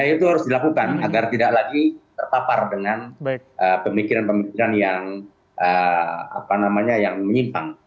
itu harus dilakukan agar tidak lagi terpapar dengan pemikiran pemikiran yang menyimpang